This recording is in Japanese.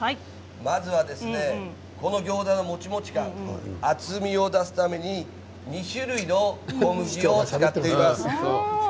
まずはこの餃子のもちもち感厚みを出すために２種類の小麦を使っています。